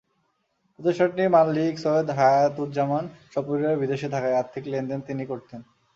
প্রতিষ্ঠানটির মালিক সৈয়দ হায়াতুজ্জামান সপরিবারে বিদেশে থাকায় আর্থিক লেনদেন তিনিই করতেন।